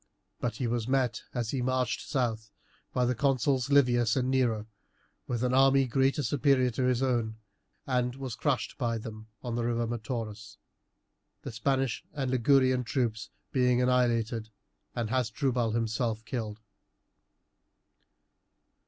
But he was met, as he marched south, by the consuls Livius and Nero with an army greatly superior to his own; and was crushed by them on the river Metaurus, the Spanish and Ligurian troops being annihilated and Hasdrubal himself killed.